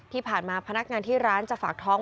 ที่ผ่านมาพนักงานที่ร้านจะฝากท้อง